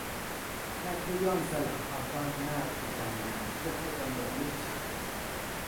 แม่ผู้ยอมสละความก้าวหน้าทางการงานเพื่อให้กำเนิดลูกชาย